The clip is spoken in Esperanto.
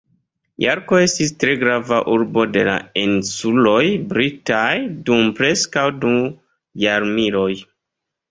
Jorko estis tre grava urbo de la insuloj britaj dum preskaŭ du jarmiloj.